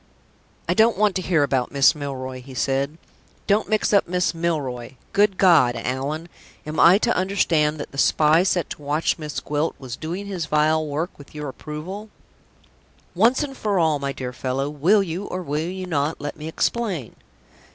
"I don't want to hear about Miss, Milroy," he said. "Don't mix up Miss Milroy Good God, Allan, am I to understand that the spy set to watch Miss Gwilt was doing his vile work with your approval?" "Once for all, my dear fellow, will you, or will you not, let me explain?"